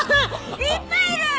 いっぱいいる！